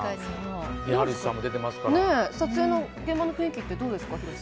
撮影の現場の雰囲気はどうですか？